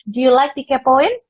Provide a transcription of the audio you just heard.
do you like di kepoin